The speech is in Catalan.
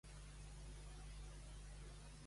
Egan mai ha ocultat la seva homosexualitat.